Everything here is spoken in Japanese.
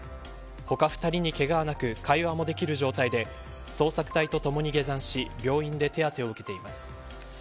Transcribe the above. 他２人にけがはなく会話もできる状態で捜索隊とともに下山し病院で手当を受けています。